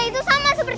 punya varinya perks